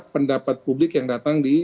pendapat publik yang datang di